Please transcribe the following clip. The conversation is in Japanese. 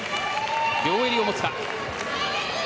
両襟を持つか。